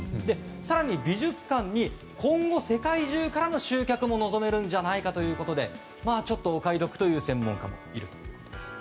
更に美術館に今後、世界中からの集客も望めるんじゃないかということでちょっと、お買い得という専門家もいるということです。